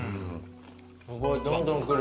すごいどんどん来る。